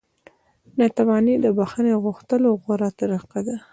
نانواتې د بخښنې غوښتلو غوره طریقه ده.